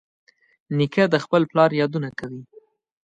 نیکه د خپل پلار یادونه کوي.